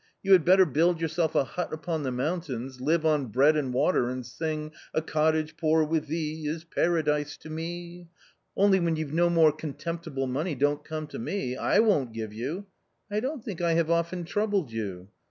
You had better build yourself a hut upon the mountains, live on bread and water, and sing —• A cottage poor with thee, Is Paradise to me,' only when you've no more contemptible money, don't come to me, I won't give you "" I don't think I have often troubled you."